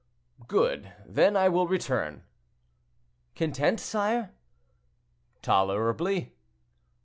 "Good; then I will return." "Content, sire?" "Tolerably."